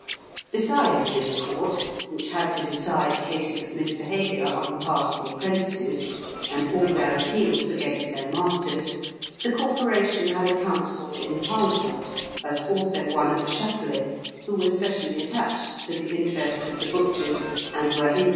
Besides this court, which had to decide cases of misbehaviour on the part of the apprentices, and all their appeals against their masters, the corporation had a counsel in Parliament, as also one at the Châtelet, who were specially attached to the interests of the butchers, and were in their pay.